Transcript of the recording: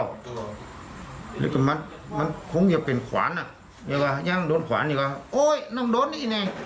มันคงจะเป็นขวานอ่ะยังโดนขวานอยู่ก็โอ้ยน่าจะโดนอีกน่ะ